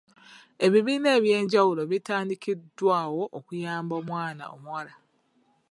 Ebibiina eby'enjawulo bitandikiddwawo okuyamba omwana omuwala.